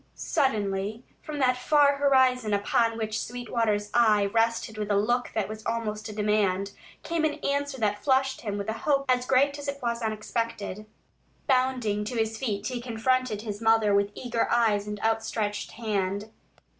Suddenly, from that far horizon upon which Sweetwater's eye rested with a look that was almost a demand, came an answer that flushed him with a hope as great as it was unexpected. Bounding to his feet, he confronted his mother with eager eyes and outstretched hand.